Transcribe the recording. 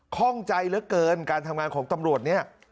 ข้องใจเหลือเกินการทำงานของตำรวจเนี่ย